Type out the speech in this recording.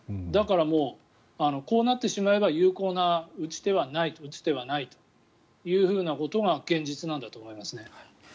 だからもう、こうなってしまえば有効な打ち手はないということが現実なんだと思いますね。